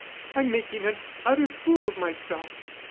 "I'm making an utter fool of myself."